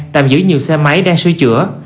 tạm giữ nhiều xe máy đang sửa chữa